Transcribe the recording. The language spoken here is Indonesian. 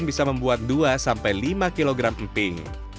bisa membuat dua sampai lima kilogram emping